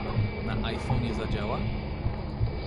Na iPhonie zadziała?